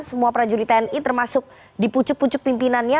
semua prajurit tni termasuk dipucuk pucuk pimpinannya